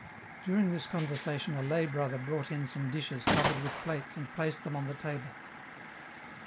During this conversation a lay brother brought in some dishes covered with plates and placed thfc,"n on the table.